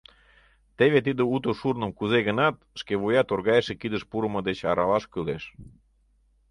Теве тиде уто шурным кузе-гынат шке вуя торгайыше кидыш пурымо деч аралаш кӱлеш.